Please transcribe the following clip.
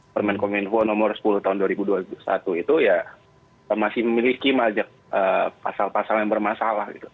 permen kominfo nomor sepuluh tahun dua ribu dua puluh satu itu ya masih memiliki maject pasal pasal yang bermasalah gitu